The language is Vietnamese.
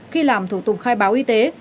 khi làm thủ tục khai báo y tế